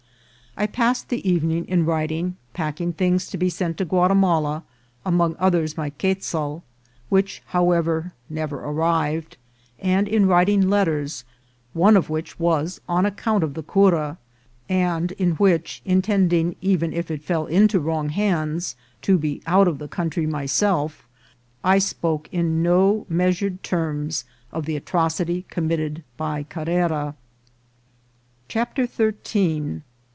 I passed the evening in writing, packing things to be sent to Guatimala, among others my quezal, which, however, never arrived, and in writing letters, one of which was on account of the cura, and in which, in tending, even if it fell into wrong hands, to be out of the country myself, I spoke in no measured terms of the atrocity committed by Carrera.